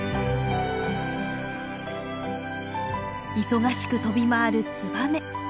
忙しく飛び回るツバメ。